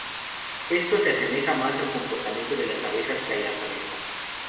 Esto se asemeja más al comportamiento de las abejas que a las avispas.